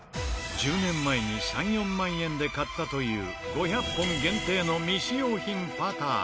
１０年前に３４万円で買ったという５００本限定の未使用品パター。